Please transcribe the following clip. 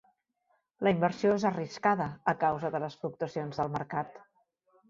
La inversió és arriscada a causa de les fluctuacions del mercat.